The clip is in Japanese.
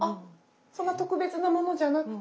そんな特別なものじゃなくて？